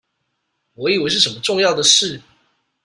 我以為是什麼重要的事